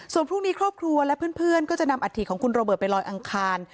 ส่วนพรุ่งนี้ครอบครัวและเพื่อนก็จะนำอัฐิของคุณโรเบิร์ตไปลอยอังคาร